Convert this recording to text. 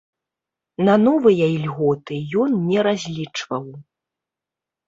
На новыя ільготы ён не разлічваў.